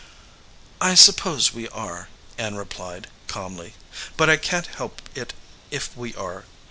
"I suppose we are," Ann replied, calmly; "but I can t help it if we are.